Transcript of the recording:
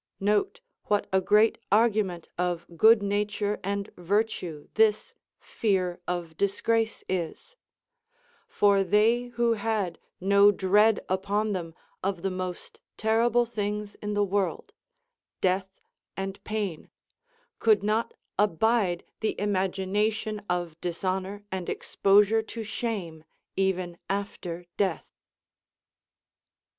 Note Avhat a great argument of good nature and virtue this fear of disgrace is ; for they who had no dread upon them of the most terrible things in the Avorld, death and pain, could not abide the imagination of dishonor and exposure to shame even after death.